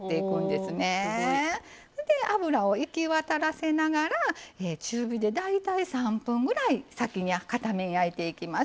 おすごい。で油を行き渡らせながら中火で大体３分ぐらい先に片面焼いていきます。